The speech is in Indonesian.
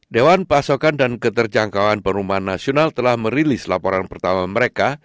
dewan pasokan dan keterjangkauan perumahan nasional telah merilis laporan pertama mereka